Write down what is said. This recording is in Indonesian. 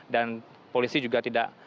dan polisi juga tidak